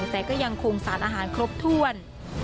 แต่ก็ยังคงสารอาหารครบถ้วน